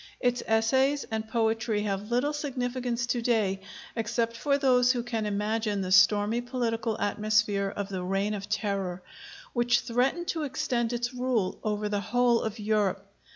Its essays and poetry have little significance to day except for those who can imagine the stormy political atmosphere of the Reign of Terror, which threatened to extend its rule over the whole of Europe.